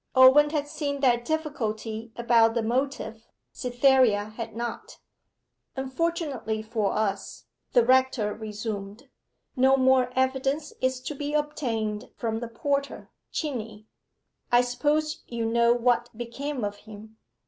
Owen had seen that difficulty about the motive; Cytherea had not. 'Unfortunately for us,' the rector resumed, 'no more evidence is to be obtained from the porter, Chinney. I suppose you know what became of him?